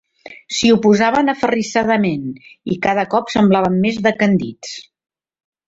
S'hi oposaven aferrissadament i cada cop semblaven més decandits.